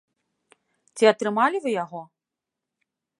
Ці атрымалі вы яго?